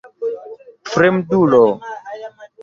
Fremdulo!